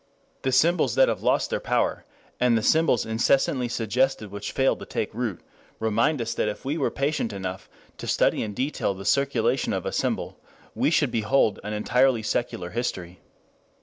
The symbols that have lost their power, and the symbols incessantly suggested which fail to take root, remind us that if we were patient enough to study in detail the circulation of a symbol, we should behold an entirely secular history.